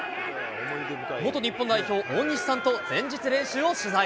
元日本代表、大西さんと前日練習を取材。